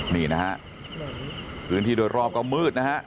นี่นะฮะพื้นที่โดยรอบก็มืดนะฮะ